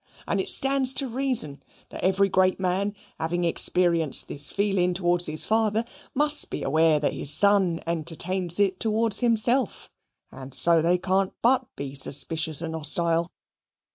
Pooh! And it stands to reason that every great man, having experienced this feeling towards his father, must be aware that his son entertains it towards himself; and so they can't but be suspicious and hostile.